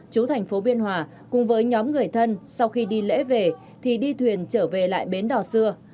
chú thành phố biên hòa cùng với nhóm người thân sau khi đi lễ về thì đi thuyền trở về lại bến đò xưa